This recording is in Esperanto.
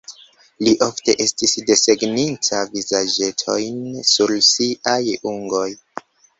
Li ofte estis desegninta vizaĝetojn sur siaj ungoj.